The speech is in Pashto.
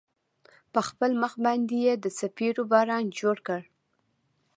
په خپل مخ باندې يې د څپېړو باران جوړ كړ.